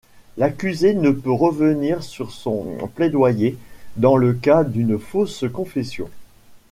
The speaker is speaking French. L'accusé ne peut revenir sur son plaidoyer dans le cas d'une fausse confession.